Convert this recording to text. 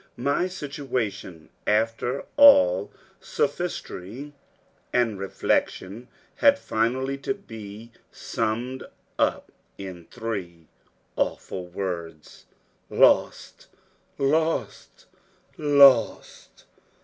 My situation, after all sophistry and reflection, had finally to be summed up in three awful words Lost! Lost!! LOST!!!